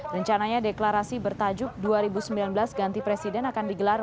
rencananya deklarasi bertajuk dua ribu sembilan belas ganti presiden akan digelar